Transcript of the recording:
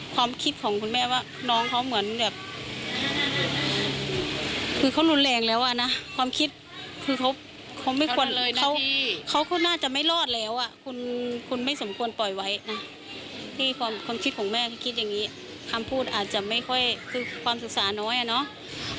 ความคิดของแม่คิดอย่างนี้คำพูดอาจจะไม่ค่อยคือความศึกษาน้อยอ่ะเนาะ